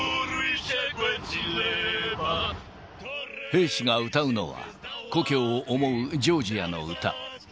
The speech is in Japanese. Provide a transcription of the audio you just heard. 兵士が歌うのは、故郷を思うジョージアの歌。